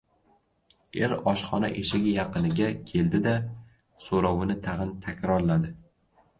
Er oshxona eshigi yaqiniga keldi-da, soʻrovini tagʻin takrorladi: